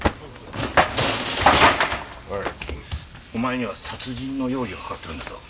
おいお前には殺人の容疑が掛かってるんだぞ。